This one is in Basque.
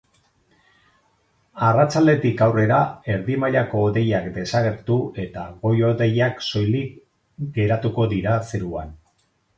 Arratsaldetik aurrera erdi mailako hodeiak desagertu eta goi-hodeiak soilik geratuko dira zeruan.